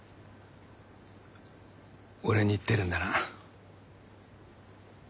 俺に言ってるんだな。